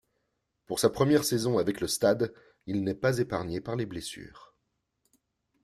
Pour sa première saison avec le Stade, il n'est pas épargné par les blessures.